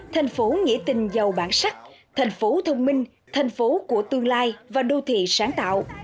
thành phố nghĩa tình giàu bản sắc thành phố thông minh thành phố của tương lai và đô thị sáng tạo